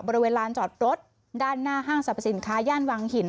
บริเวณลานจอดรถด้านหน้าห้างสรรพสินค้าย่านวังหิน